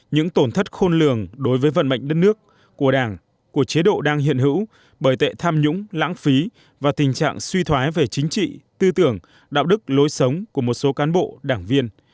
những tổn thất khôn lường đối với vận mệnh đất nước của đảng của chế độ đang hiện hữu bởi tệ tham nhũng lãng phí và tình trạng suy thoái về chính trị tư tưởng đạo đức lối sống của một số cán bộ đảng viên